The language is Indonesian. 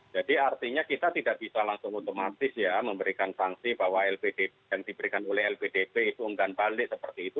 jadi artinya kita tidak bisa langsung otomatis ya memberikan sanksi bahwa lpdp yang diberikan oleh lpdp itu enggan balik seperti itu